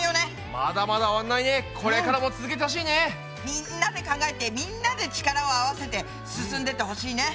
みんなで考えてみんなで力を合わせて進んでってほしいね。